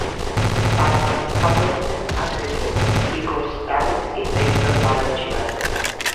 მასთან სწავლობდნენ აგრეთვე იგორ სტრავინსკი, მელიტონ ბალანჩივაძე.